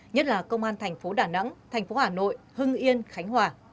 nhất là công an tp đà nẵng tp hà nội hưng yên khánh hòa